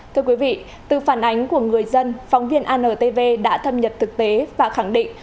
thưa quý vị từ phản ánh của người dân phóng viên antv đã thâm nhập thực tế và khẳng định